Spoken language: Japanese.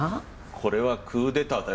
これはクーデターだよ